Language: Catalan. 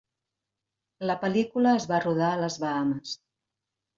La pel·lícula es va rodar a les Bahames.